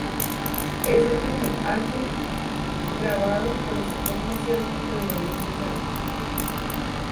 Es el primer álbum grabado por esa formación que duró muchos años.